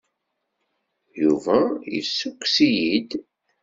Yuba yessukkes-iyi-d.